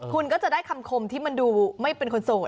คุณก็จะได้คำคมที่มันดูไม่เป็นคนโสด